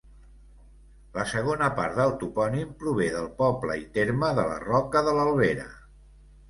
La segona part del topònim prové del poble i terme de la Roca de l'Albera.